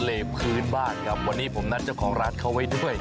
พื้นบ้านครับวันนี้ผมนัดเจ้าของร้านเขาไว้ด้วย